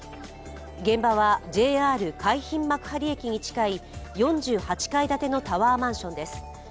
現場はＪＲ海浜幕張駅に近い４８階建てのタワーマンションです。